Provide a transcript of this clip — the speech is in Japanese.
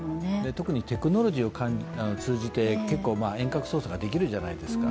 特にテクノロジーを通じて結構遠隔操作ができるじゃないですか。